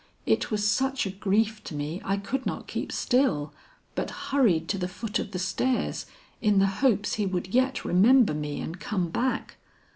It was such a grief to me I could not keep still, but hurried to the foot of the stairs in the hopes he would yet remember me and come back.